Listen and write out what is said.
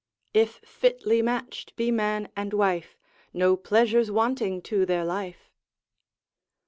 If fitly match'd be man and wife, No pleasure's wanting to their life.